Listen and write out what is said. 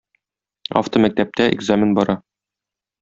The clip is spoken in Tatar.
Автомәктәптә экзамен бара